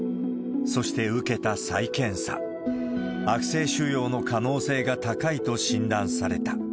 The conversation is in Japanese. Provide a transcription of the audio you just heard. そして受けた再検査、悪性腫ようの可能性が高いと診断された。